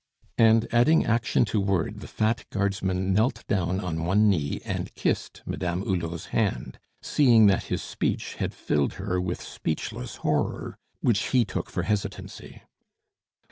And adding action to word, the fat guardsman knelt down on one knee and kissed Madame Hulot's hand, seeing that his speech had filled her with speechless horror, which he took for hesitancy.